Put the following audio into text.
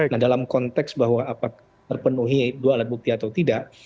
nah dalam konteks bahwa apakah terpenuhi dua alat bukti atau tidak